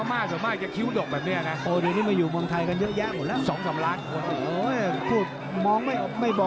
แน่นอกแน่นอกแน่นอกแน่นอกแน่นอกแน่นอกแน่นอกแน่นอกแน่นอก